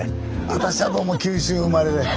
私はどうも九州生まれで」。